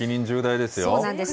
そうなんです。